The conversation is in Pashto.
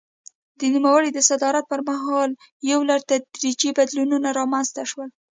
د نوموړي د صدارت پر مهال یو لړ تدریجي بدلونونه رامنځته شول.